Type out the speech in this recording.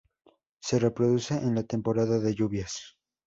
Se reproduce en la temporada de lluvias.